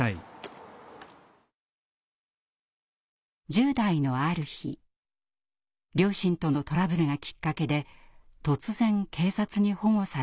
１０代のある日両親とのトラブルがきっかけで突然警察に保護されます。